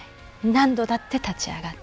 何度だって立ち上がって。